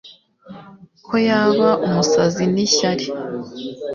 ko yaba umusazi nishyari